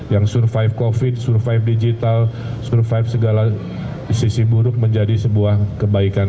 yang survive covid survive digital survive segala sisi buruk menjadi sebuah kebaikan